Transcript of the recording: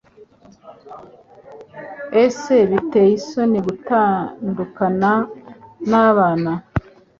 Ese biteye isoni gutandukana nabana?